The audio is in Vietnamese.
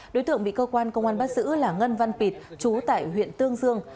đối tượng bị cơ quan công an bắt giữ là ngân văn pịt chú tại huyện tương dương